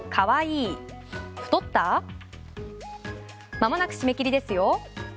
まもなく締め切りですよ。